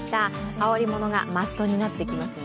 羽織りものがマストになってきますね。